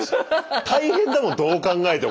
大変だもんどう考えても。